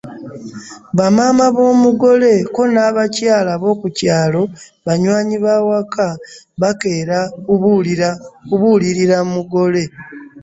Bamaama b’omugole ko n’abakyala ab’oku kyalo, banywanyi b’awaka bakeera kubuulirira mugole.